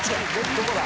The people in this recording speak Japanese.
どこだ？